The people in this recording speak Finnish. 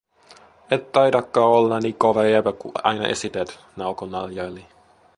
Et taidakkaa olla nii kova jäbä, ku aina esität", Naoko naljaili.